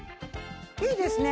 いいですね。